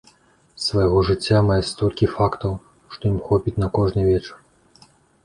З свайго жыцця мае столькі фактаў, што іх хопіць на кожны вечар.